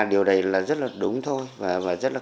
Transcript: điều này là rất là đúng thôi và rất là